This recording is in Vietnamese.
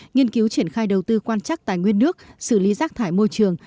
nghiên cứu triển khai đầu tư quan trắc tài nguyên nước xử lý rác thải môi trường